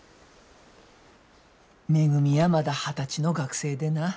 めぐみやまだ二十歳の学生でな。